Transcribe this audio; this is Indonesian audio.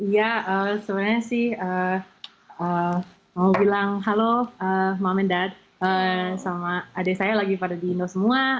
ya sebenarnya sih mau bilang halo momen that sama adik saya lagi pada di indo semua